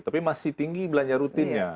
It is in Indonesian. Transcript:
tapi masih tinggi belanja rutinnya